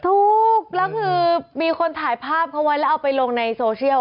ถูกแล้วคือมีคนถ่ายภาพเขาไว้แล้วเอาไปลงในโซเชียล